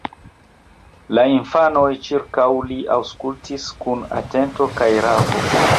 La infanoj ĉirkaŭ li aŭskultis kun atento kaj ravo.